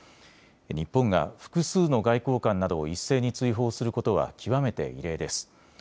日本が複数の外交官などを一斉に追放することは極めて異例です。